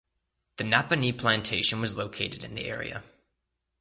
The Napanee Plantation was located in the area.